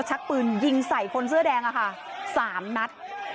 ชักปืนยิงใส่คนเสื้อแดงอะค่ะ๓นัด